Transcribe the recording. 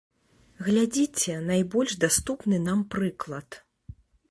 Глядзіце, найбольш даступны нам прыклад.